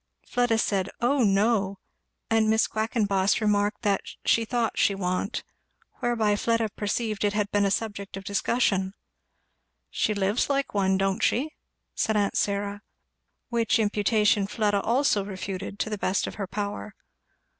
Fleda said "oh no" and Miss Quackenboss remarked that "she thought she wa'n't;" whereby Fleda perceived it had been a subject of discussion. "She lives like one, don't she?" said aunt Syra. Which imputation Fleda also refuted to the best of her power.